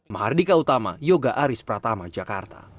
mahardika utama yoga aris pratama jakarta